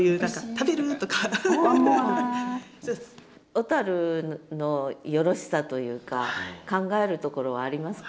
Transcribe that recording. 小のよろしさというか考えるところはありますか？